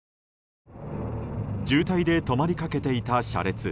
渋滞で止まりかけていた車列。